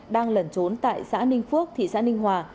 đang lẩn trốn tại xã ninh phước thị xã ninh hòa